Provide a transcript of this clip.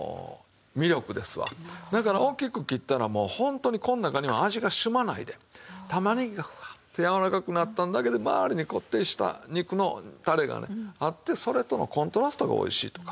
だから大きく切ったらもうホントにこの中には味がしゅまないで玉ねぎがふわっとやわらかくなったんだけど周りにこってりした肉のタレがねあってそれとのコントラストがおいしいとか。